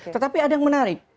tetapi ada yang menarik